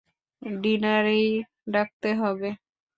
ডিনারেই ডাকতে হবে?